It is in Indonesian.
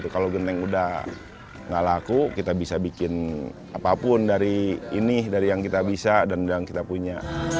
kalau genteng udah gak laku kita bisa bikin apapun dari ini dari yang kita bisa dan yang kita punya